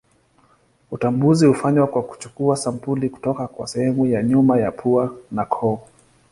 Utambuzi hufanywa kwa kuchukua sampuli kutoka kwa sehemu ya nyuma ya pua na koo.